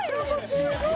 すごい！